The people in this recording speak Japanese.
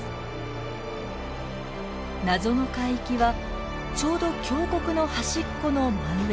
謎の海域はちょうど峡谷の端っこの真上。